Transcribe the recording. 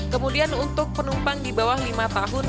kemudian untuk penumpang di bawah lima tahun